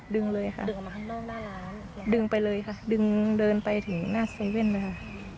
ดึงเลยค่ะดึงออกมาข้างนอกหน้าร้านดึงไปเลยค่ะดึงเดินไปถึงหน้าเซเว่นเลยค่ะ